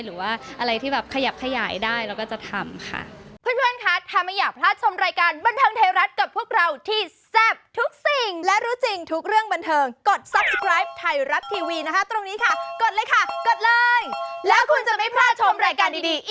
หรือว่าอะไรที่แบบขยับขยายได้แล้วก็จะทำค่ะ